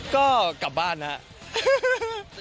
ก็กลับบ้านฮะ